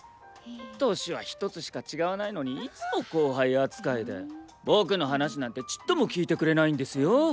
年は一つしか違わないのにいつも後輩扱いで僕の話なんてちっとも聞いてくれないんですよ？